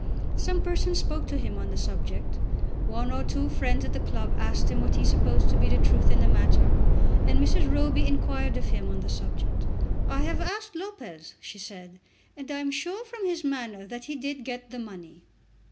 Some persons spoke to him on the subject. One or two friends at the club asked him what he supposed to be the truth in the matter, and Mrs. Roby inquired of him on the subject. "I have asked Lopez," she said, "and I am sure from his manner that he did get the money."